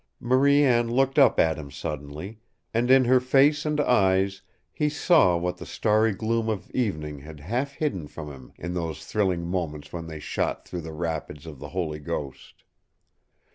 Marie Anne looked up at him suddenly, and in her face and eyes he saw what the starry gloom of evening had half hidden from him in those thrilling moments when they shot through the rapids of the Holy Ghost.